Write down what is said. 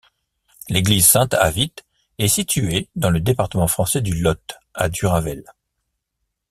L'église Saint-Avit est située dans le département français du Lot, à Duravel.